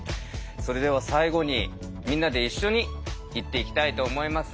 それでは最後にみんなで一緒に言っていきたいと思います。